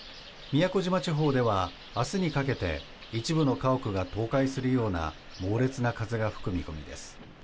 宮古島地方では、明日にかけて一部の家屋が倒壊するような猛烈な風が吹く見込みです。